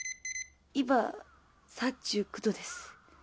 今３９℃です